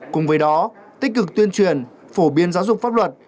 cùng với đó tích cực tuyên truyền phổ biến giáo dục pháp luật